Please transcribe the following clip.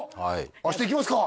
明日行きますか？